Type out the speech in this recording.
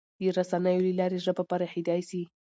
د رسنیو له لارې ژبه پراخېدای سي.